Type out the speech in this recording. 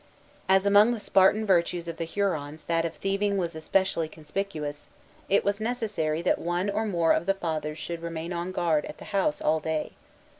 As among the Spartan virtues of the Hurons that of thieving was especially conspicuous, it was necessary that one or more of the Fathers should remain on guard at the house all day.